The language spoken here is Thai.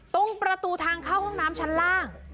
ตรงประตูทางเข้าห้องน้ำชั้นล่าง